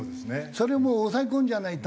それをもう抑え込んじゃわないと。